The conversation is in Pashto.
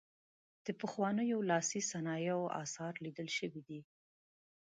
د پخوانیو لاسي صنایعو اثار لیدل شوي دي.